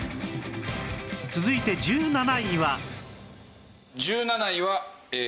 続いて１７位は